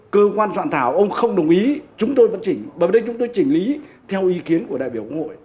cơ quan soạn thảo ông không đồng ý chúng tôi vẫn chỉnh bởi vì đây chúng tôi chỉnh lý theo ý kiến của đại biểu quốc hội